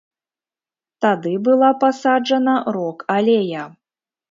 Тады была пасаджана рок-алея.